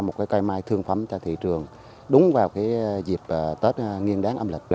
mình vườn mai thương phẩm cho thị trường đúng vào dịp tết nghiêng đáng âm lịch